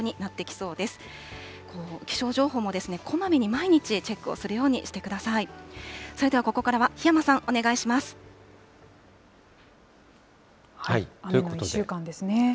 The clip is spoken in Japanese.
それではここからは檜山さん、ということで。